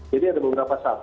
jadi ada beberapa saat